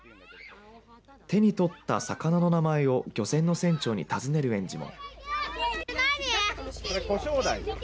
手に取った魚の名前を漁船の船長に尋ねる園児も。